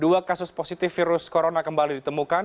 dua kasus positif virus corona kembali ditemukan